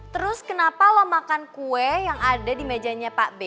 terus kenapa lo makan kue yang ada di mejanya pak b